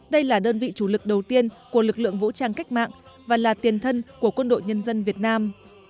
đây là đơn vị chủ lực đầu tiên của lực lượng vũ trang cách mạng và là tiền thân của quân đội nhân dân việt nam